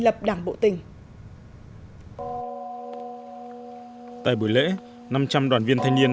lập đảng bộ tỉnh tại buổi lễ năm trăm linh đoàn viên thanh niên